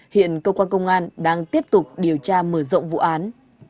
hiện công an đang tiếp tục điều tra mở rộng vụ án